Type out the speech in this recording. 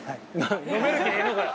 ◆飲める気でいるのかよ！